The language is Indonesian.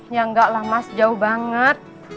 ya enggaklah mas jauh banget